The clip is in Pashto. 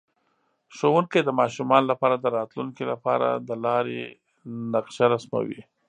ښوونکی د ماشومانو لپاره د راتلونکي لپاره د لارې نقشه رسموي.